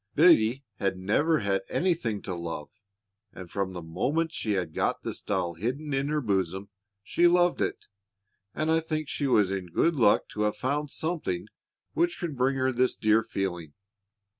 Biddy had never had anything to love, and from the moment she had got this doll hidden in her bosom she loved it, and I think she was in good luck to have found something which could bring her this dear feeling.